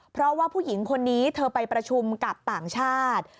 เพราะว่าผู้หญิงคนนี้เธอไปประชุมกับต่างชาติ